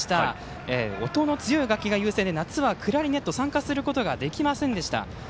音の強い楽器が優先で夏はクラリネットが参加できませんでした。